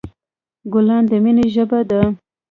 ګلاب د مینې ژبه ده.